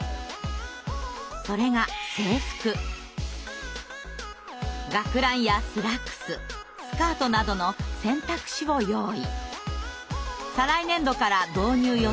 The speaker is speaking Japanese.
それが学ランやスラックススカートなどの選択肢を用意。